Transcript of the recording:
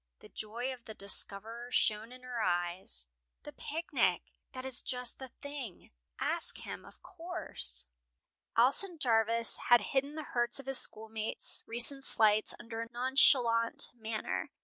The joy of the discoverer shone in her eyes. "The picnic! That is just the thing. Ask him, of course." Alson Jarvis had hidden the hurts of his schoolmates' recent slights under a nonchalant manner.